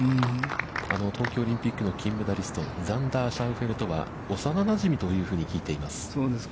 東京オリンピックの金メダリスト、ザンダー・シャウフェレとは幼なじみというふうに聞いています。